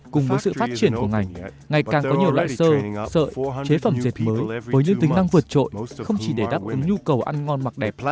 cùng với sự phát triển của ngành ngày càng có nhiều loại sơ sợi chế phẩm dệt mới với những tính năng vượt trội không chỉ để đáp ứng nhu cầu ăn ngon mặc đẹp